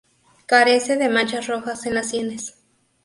Carece de manchas rojas en las sienes.